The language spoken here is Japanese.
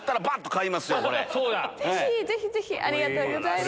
ぜひぜひ！ありがとうございます。